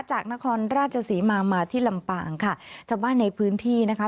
จากนครราชศรีมามาที่ลำปางค่ะชาวบ้านในพื้นที่นะคะ